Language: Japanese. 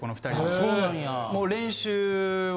そうなんや。